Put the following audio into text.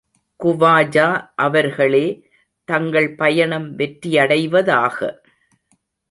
குவாஜா அவர்களே, தங்கள் பயணம் வெற்றியடைவதாக!